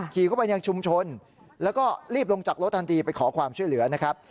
เข้าไปยังชุมชนแล้วก็รีบลงจากรถทันทีไปขอความช่วยเหลือนะครับ